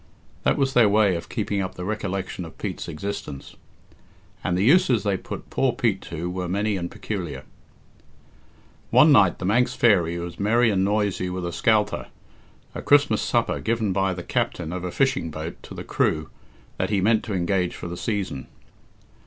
That was their way of keeping up the recollection of Pete's existence; and the uses they put poor Pete to were many and peculiar. One night "The Manx Fairy" was merry and noisy with a "Scaltha," a Christmas supper given by the captain of a fishing boat to the crew that he meant to engage for the season.